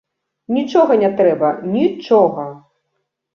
Нічога не трэба, нічога!